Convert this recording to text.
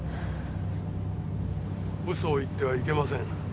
嘘を言ってはいけません。